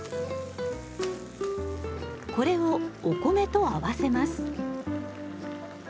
これをお米と合わせます。